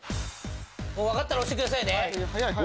分かったら押してくださいね。